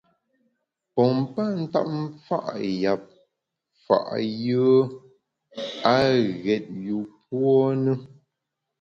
Pompa ntap mfa’ yap fa’ yùe a ghét yûpuo ne.